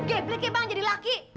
geblek ya bang jadi laki